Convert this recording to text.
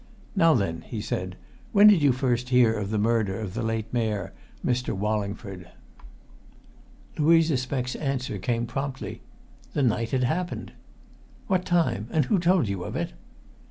"Now then!" he said. "When did you first hear of the murder of the late Mayor, Mr. Wallingford?" Louisa Speck's answer came promptly: "The night it happened." "What time and who told you of it?"